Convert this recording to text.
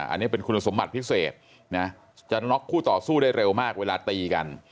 อันนี้เป็นคุณสมบัติพิเศษนะจะน็อกคู่ต่อสู้ได้เร็วมากเวลาตีกัน